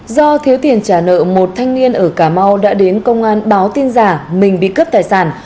do thiếu tiền trả nợ một thanh niên ở cà mau đã đến công an báo tin giả mình đi cướp tài sản